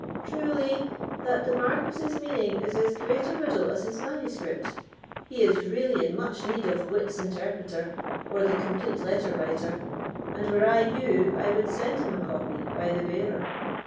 "Truly, that the Marquis's meaning is as great a riddle as his manuscript. He is really in much need of Wit's Interpreter, or the Complete Letter Writer, and were I you, I would send him a copy by the bearer.